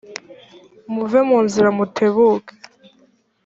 muve mu nzira mutebuke